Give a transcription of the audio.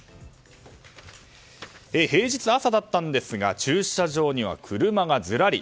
平日朝だったんですが駐車場には車がずらり。